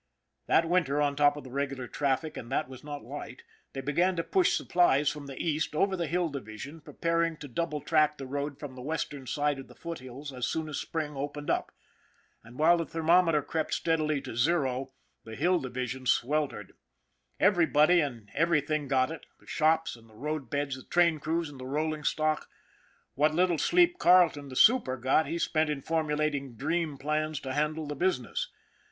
That winter, on top of the regular traffic, and that was not light, they began to push supplies from the East over the Hill Division, preparing to double track the road from the western side of the foothills as soon as spring opened up. And while the thermometer crept steadily to zero, the Hill Division sweltered. Everybody and everything got it, the shops and the road beds, the train crews and the rolling stock. What little sleep Carleton, the super, got, he spent in formu lating dream plans to handle the business.